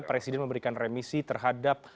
presiden memberikan remisi terhadap